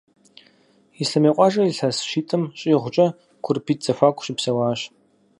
Ислъэмей къуажэр илъэс щитӏым щӏигъукӏэ Курпитӏ зэхуаку щыпсэуащ.